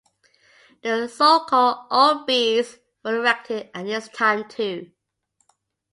The so-called "olbeas" were erected at this time too.